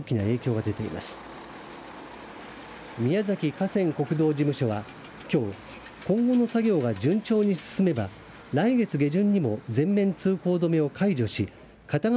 河川国道事務所はきょう、今後の作業が順調に進めば来月下旬にも全面通行止めを解除し片側